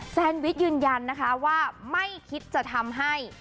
แซนวิชยืนยันนะคะว่าไม่คิดจะทำให้